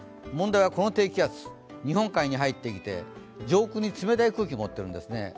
問題はこの低気圧、日本海に入ってきて、上空に冷たい空気持ってるんですね。